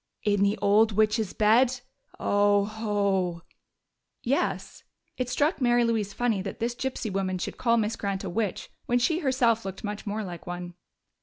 "In the old witch's bed? Oh ho!" "Yes." It struck Mary Louise funny that this gypsy woman should call Miss Grant a witch when she herself looked much more like one.